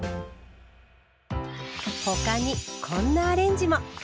他にこんなアレンジも！